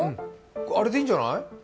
あれでいいんじゃない？